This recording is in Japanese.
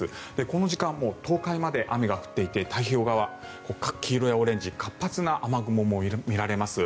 この時間、東海まで雨が降っていて太平洋側、黄色やオレンジ活発な雨雲も見られます。